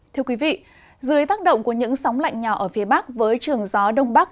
thưa quý vị dưới tác động của những sóng lạnh nhỏ ở phía bắc với trường gió đông bắc